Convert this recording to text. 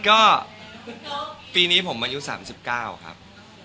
ก็ปีนี้ผมมันอยู่๓๙ครับ